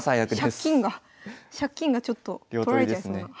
飛車金が飛車金がちょっと取られちゃいそうな。